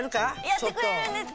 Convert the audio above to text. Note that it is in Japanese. やってくれるんですか？